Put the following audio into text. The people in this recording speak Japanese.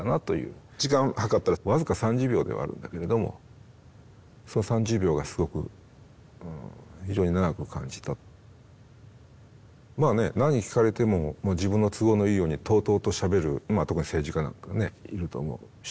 時間計ったら僅か３０秒ではあるんだけれどもまあね何聞かれても自分の都合のいいようにとうとうとしゃべる特に政治家なんかねいると思うし。